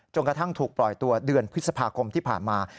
กระทั่งถูกปล่อยตัวเดือนพฤษภาคมที่ผ่านมา